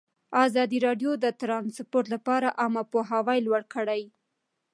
ازادي راډیو د ترانسپورټ لپاره عامه پوهاوي لوړ کړی.